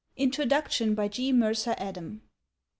INTRODUCTION. BY G MERCER ADAM.